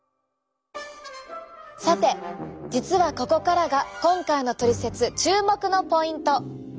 さて実はここからが今回のトリセツ注目のポイント。